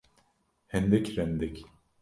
Hindik rindik.